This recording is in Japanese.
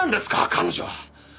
彼女は！